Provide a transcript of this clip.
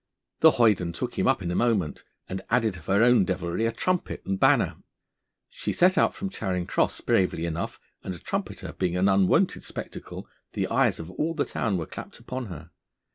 The hoyden took him up in a moment, and added of her own devilry a trumpet and banner. She set out from Charing Cross bravely enough, and a trumpeter being an unwonted spectacle, the eyes of all the town were clapped upon her.